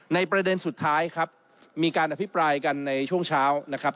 ประเด็นสุดท้ายครับมีการอภิปรายกันในช่วงเช้านะครับ